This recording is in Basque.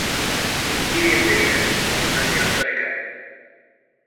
Niri ez begiratu, esan dio Astorekak.